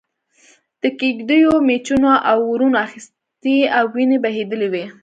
د کېږدیو مېچنو اورونه اخستي او وينې بهېدلې وې.